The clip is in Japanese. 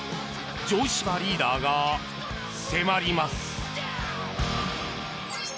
城島リーダーが迫ります！